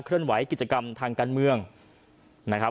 เลื่อนไหวกิจกรรมทางการเมืองนะครับ